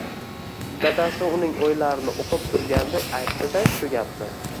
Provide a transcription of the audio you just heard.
Dadasi uning oʻylarini oʻqib turganday ayti-da shu gapni!